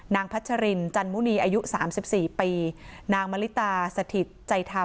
นางพัชรินจันมุณีอายุสามสิบสี่ปีนางมลิตาสถิตย์ใจธรรม